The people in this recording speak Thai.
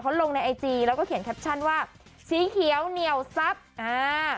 เขาลงในไอจีแล้วก็เขียนแคปชั่นว่าสีเขียวเหนียวซับอ่า